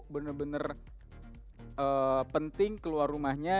bener bener penting keluar rumahnya